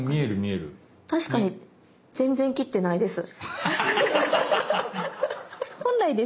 確かに全然切ってないです。